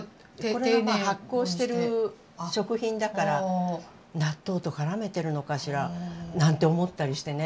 これも発酵してる食品だから納豆と絡めてるのかしら？なんて思ったりしてね。